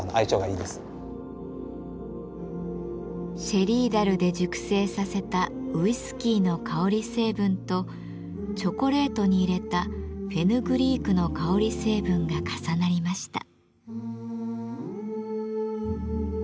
シェリー樽で熟成させたウイスキーの香り成分とチョコレートに入れたフェヌグリークの香り成分が重なりました。